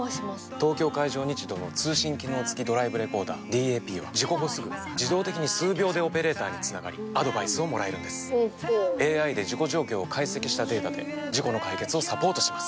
東京海上日動の通信機能付きドライブレコーダーＤＡＰは事故後すぐ自動的に数秒でオペレーターにつながりアドバイスをもらえるんですＡＩで事故状況を解析したデータで事故の解決をサポートします